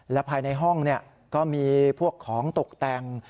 และภายในห้องก็มีพวกของตกแต่ง